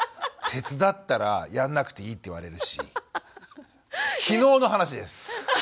手伝ったらやんなくていいって言われるし昨日の話です！